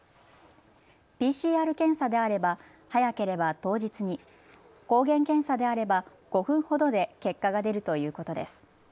ＰＣＲ検査であれば早ければ当日に、抗原検査であれば５分ほどで結果が出るということです。